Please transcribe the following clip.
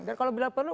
dan kalau bila perlu